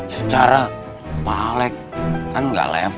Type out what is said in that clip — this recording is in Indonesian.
secara malek kan gak level